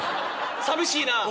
寂しいな。